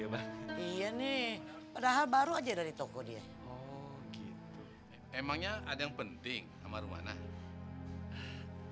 oh gitu emangnya ada yang penting sama rumah nah